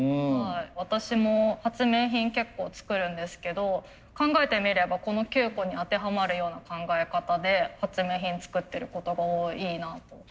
私も発明品結構作るんですけど考えてみればこの９個に当てはまるような考え方で発明品作ってることが多いなと。